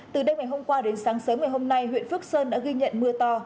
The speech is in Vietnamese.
từ đêm ngày hôm qua đến sáng sớm ngày hôm nay huyện phước sơn đã ghi nhận mưa to